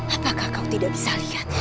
apakah kau tidak bisa lihat